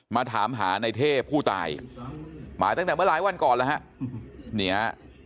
มาถามหาในเทพผู้ตายมาตั้งแต่เมื่อหลายวันก่อนแล้วฮะเนี่ย